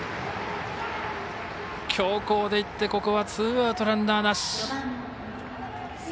強攻でいって、ここはツーアウト、ランナーなし。